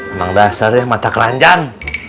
emang dasarnya mata keranjang